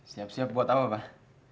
siap siap buat apa pak